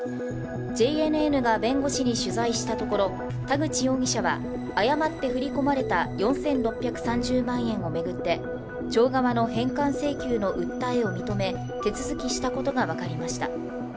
ＪＮＮが弁護士に取材したところ田口容疑者は誤って振り込まれた４６３０万円を巡って町側の返還請求の訴えを認め手続きしたことが分かりました。